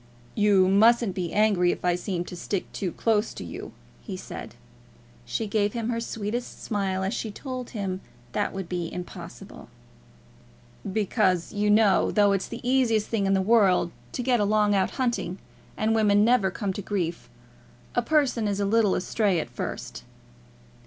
"You mustn't be angry if I seem to stick too close to you," he said. She gave him her sweetest smile as she told him that that would be impossible. "Because, you know, though it's the easiest thing in the world to get along out hunting, and women never come to grief, a person is a little astray at first."